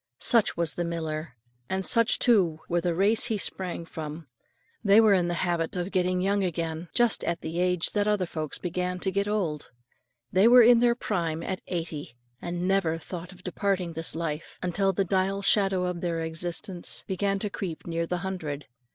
Such was the miller, and such too were the race he sprang from, they were in the habit of getting young again, just at the age that other folks began to get old. They were in their prime at eighty, and never thought of departing this life, until the dial shadow of their existence began to creep near the hundred.